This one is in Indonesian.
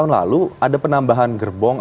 nah itu sudah habis terjual meskipun ya